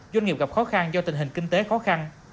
doanh nghiệp gặp khó khăn do tình hình kinh tế khó khăn